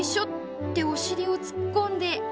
っておしりをつっこんで。